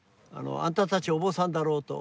「あんたたちお坊さんだろう」と。